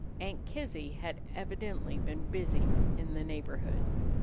Aunt Kizzy had evidently been busy in the neighborhood.